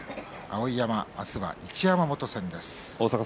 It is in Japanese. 碧山、明日は一山本戦です。